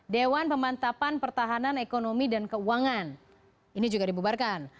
dewan pemantapan pertahanan ekonomi dan keuangan ini juga dibubarkan